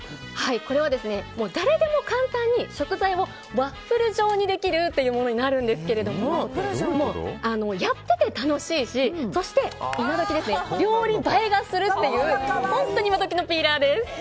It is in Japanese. これは誰でも簡単に食材をワッフル状にできるというものになるんですけどもやってて楽しいしそして料理映えがするという本当に今どきのピーラーです。